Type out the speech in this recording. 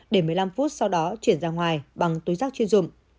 để một mươi năm phút sau đó chuyển ra ngoài bằng túi rác chuyên dụng